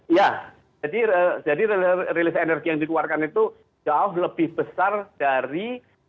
iya jadi rilis energi yang dikeluarkan itu jauh lebih besar dari